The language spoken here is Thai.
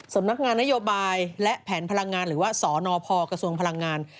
สำนักงานนโยบายและแผนพลังงานหรือว่าสนพกระทรวงพลังงาน